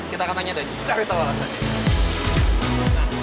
kita akan tanya dari cari tawarasa